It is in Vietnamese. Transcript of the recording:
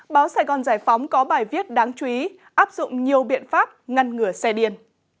báo sài gòn giải phóng có bài viết đáng chú ý áp dụng nhiều biện pháp ngăn ngừa xe điên